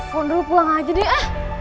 panggil pulang aja dia